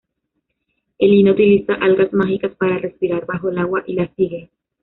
Elina utiliza algas mágicas para respirar bajo el agua y la sigue.